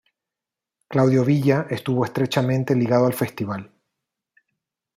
Claudio Villa estuvo estrechamente ligado al Festival.